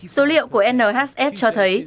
số liệu của nhs cho thấy